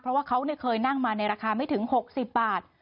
เพราะว่าเขาเคยนั่งมาในราคาไม่ถึง๖๐บาท